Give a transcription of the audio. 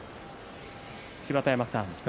芝田山さん